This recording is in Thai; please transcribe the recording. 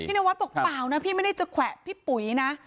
นวัดบอกเปล่านะพี่ไม่ได้จะแขวะพี่ปุ๋ยนะ